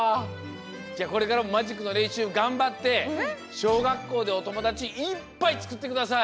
じゃあこれからもマジックのれんしゅうがんばってしょうがっこうでおともだちいっぱいつくってください。